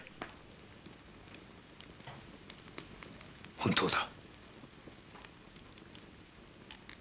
本当だ。